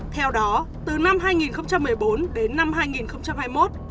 theo đó từ năm hai nghìn một mươi bốn đến năm hai nghìn hai mươi một